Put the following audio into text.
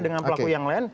dengan pelaku yang lain